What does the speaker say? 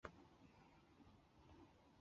笋兰为兰科笋兰属下的一个种。